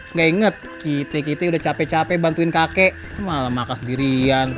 nggak inget kite kitik udah capek capek bantuin kakek malah makan sendirian